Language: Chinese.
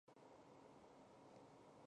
在雨季大部分都会被淹没在水里。